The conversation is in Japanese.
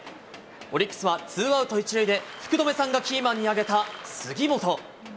オリックスはツーアウト１塁で、福留さんがキーマンに挙げた杉本。